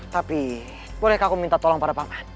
tapi bolehkah aku minta tolong pada pangan